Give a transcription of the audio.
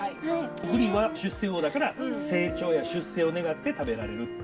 ブリは出世魚だから成長や出世を願って食べられる。